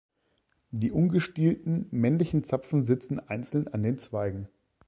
Die ungestielten, männlichen Zapfen sitzen einzeln an den Zweigen.